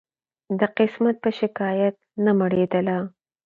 د قسمت په شکایت نه مړېدله